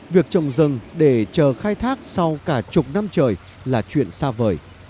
việc trồng rừng để chờ khai thác sau cả chục năm trời là chuyện xa vời